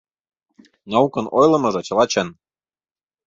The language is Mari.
Наукын ойлымыжо чыла чын.